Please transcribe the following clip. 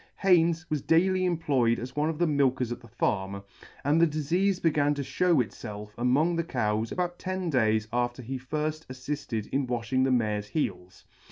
Haynes was daily employed as one of the milkers at the farm, and the difeafe began to fhew itfelf among the cows about ten days after he firfl: affifted in walhing the mare's heels.